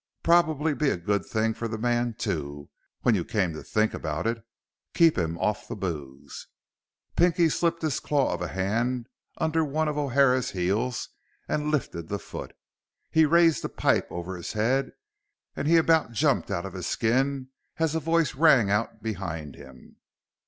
Probably be a good thing for the man, too, when you came to think about it. Keep him off the booze. Pinky slipped his claw of a hand under one of O'Hara's heels and lifted the foot. He raised the pipe over his head, and he about jumped out of his skin as a voice rang out behind him.